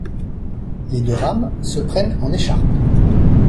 Les deux rames se prennent en écharpe.